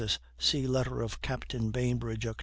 (See letter of Captain Bainbridge, Oct.